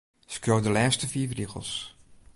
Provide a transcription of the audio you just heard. Skriuw de lêste fiif rigels.